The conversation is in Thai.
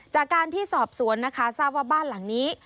จากการที่สอบสวนนะคะทราบว่าบ้านหลังนี้